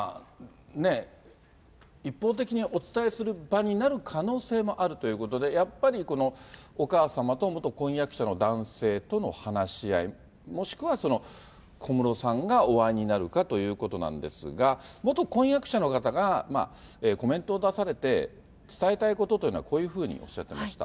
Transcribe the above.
一方的にお伝えする場になる可能性もあるということで、やっぱりお母様と元婚約者の男性との話し合い、もしくは小室さんがお会いになるかということなんですが、元婚約者の方がコメントを出されて、伝えたいことというのはこういうふうにおっしゃってました。